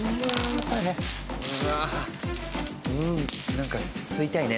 なんか吸いたいね。